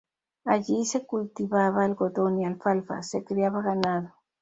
Allí se cultivaba algodón y alfalfa, y se criaba ganado.